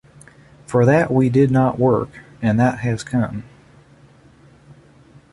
For that we did not work, and that has come.